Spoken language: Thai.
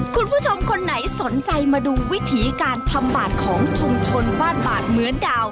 คุณผู้ชมคนไหนสนใจมาดูวิถีการทำบาดของชุมชนบ้านบาดเหมือนดาว